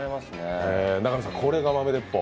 永見さん、これが豆鉄砲。